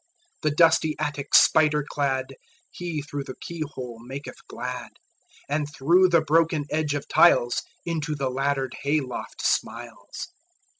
The dusty attic spider cladHe, through the keyhole, maketh glad; And through the broken edge of tiles, Into the laddered hay loft smiles.